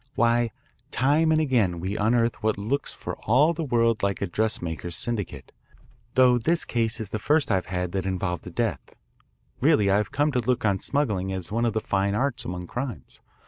"Why, time and again we unearth what looks for all the world like a 'dressmakers' syndicate,' though this case is the first I've had that involved a death. Really, I've come to look on smuggling as one of the fine arts among crimes.